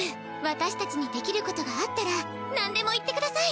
私たちにできることがあったら何でも言って下さい！